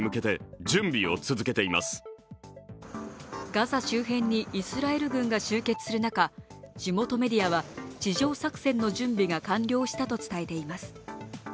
ガザ周辺にイスラエル軍が集結する中地元メディアは地上作戦の準備が完了したと伝えています。